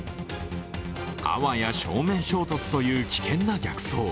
あわや正面衝突という危険な逆走。